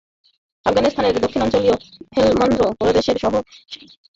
আফগানিস্তানের দক্ষিণাঞ্চলীয় হেলমান্দ প্রদেশের শহর সাঙ্গিনের দখল প্রায় নিয়ে ফেলেছে তালেবান জঙ্গিরা।